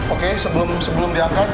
oke sebelum diangkat